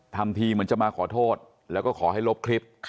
ทำทีเหมือนจะมาขอโทษแล้วก็ขอให้ลบคลิป